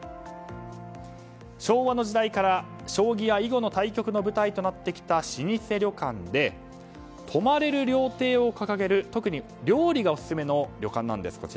昭和の時代から将棋や囲碁の対局の舞台となってきた老舗旅館で泊まれる料亭を掲げる特に料理がオススメの旅館なんです。